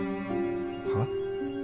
はっ？